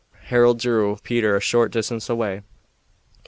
Harold drew Peter a short distance away.